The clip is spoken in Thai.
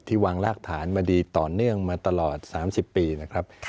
วางรากฐานมาดีต่อเนื่องมาตลอด๓๐ปีนะครับ